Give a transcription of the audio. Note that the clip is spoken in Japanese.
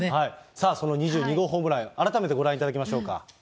さあ、その２２号ホームラン、改めてご覧いただきましょうか。